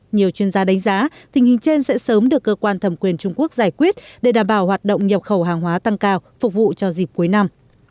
nhiều chuyên gia đánh giá tình hình trên sẽ sớm được cơ quan thẩm quyền trung quốc giải quyết để đảm bảo hoạt động nhập khẩu hàng hóa tăng cao phục vụ cho dịp cuối năm